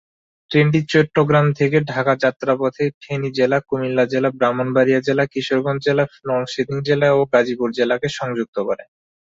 ট্রেনটি চট্টগ্রাম থেকে ঢাকা যাত্রাপথে ফেনী জেলা, কুমিল্লা জেলা, ব্রাহ্মণবাড়িয়া জেলা, কিশোরগঞ্জ জেলা, নরসিংদী জেলা ও গাজীপুর জেলাকে সংযুক্ত করে।